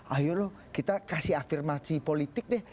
ayo loh kita kasih afirmasi politik deh